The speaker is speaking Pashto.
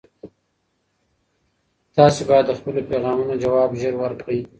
تاسي باید د خپلو پیغامونو ځواب ژر ورکړئ.